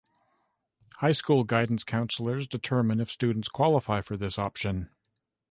High school guidance counselors determine if students qualify for this option.